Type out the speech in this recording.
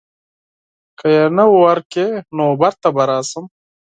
که یې نه وه ورکړې نو بیرته به راشم.